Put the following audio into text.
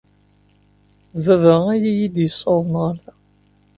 D baba ay iyi-d-yessawḍen ɣer da.